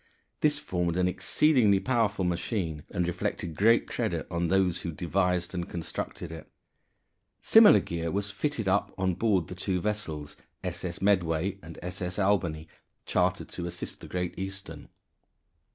This formed an exceedingly powerful machine, and reflected great credit on those who devised and constructed it. Similar gear was fitted up on board the two vessels S.S. Medway and S.S. Albany chartered to assist the Great Eastern.